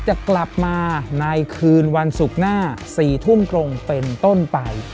จะกลับมาในคืนวันศุกร์หน้า๔ทุ่มตรงเป็นต้นไป